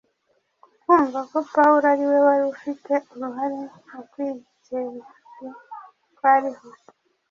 ku kumva ko Pawulo ari we wari ufite uruhare mu rwikekwe rwariho.